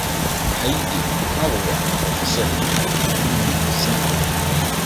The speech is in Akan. Ɛha yi de na wɔwɔ ahotoso sɛ wobehu sintɔ bi.